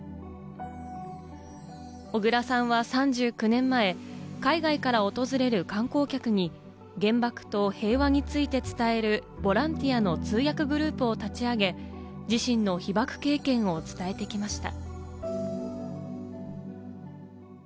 小倉さんは３９年前、海外から訪れる観光客に原爆と平和について伝えるボランティアの通訳グループを立ち上げ、自身の被爆経験を伝えてきました。